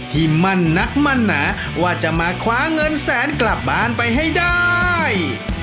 ที่มั่นนักมั่นหนาว่าจะมาคว้าเงินแสนกลับบ้านไปให้ได้